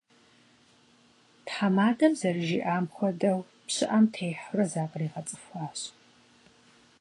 Themadem zerıjji'am xuedeu, pşı'exem têheure zakhriğets'ıxuaş.